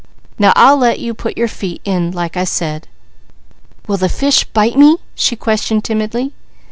Now, I'll let you put your feet in, like I said." "Will the fish bite me?" she questioned timidly.